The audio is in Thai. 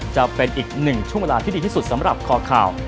จะเป็นอีกหนึ่งช่วงเวลาที่ดีที่สุดสำหรับคอข่าว